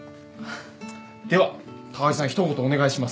では高木さん一言お願いします。